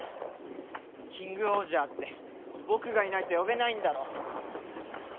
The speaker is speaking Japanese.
キングオージャーって僕がいないと呼べないんだろ？